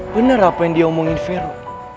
bener apa yang dia omongin veru